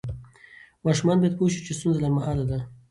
ماشوم باید پوه شي چې ستونزه لنډمهاله ده.